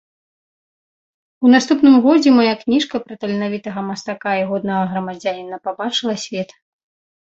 У наступным годзе мая кніжка пра таленавітага мастака і годнага грамадзяніна пабачыла свет.